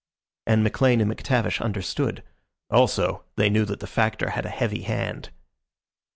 And McLean and McTavish understood. Also, they knew that the Factor had a heavy hand.